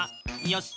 よし。